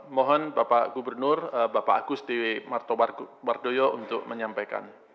mohon bapak gubernur bapak agus dewi martowardoyo untuk menyampaikan